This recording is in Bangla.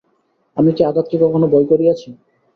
আমি কি আঘাতকে কখনো ভয় করিয়াছি।